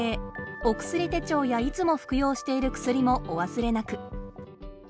お薬手帳やいつも服用している薬もお忘れなく。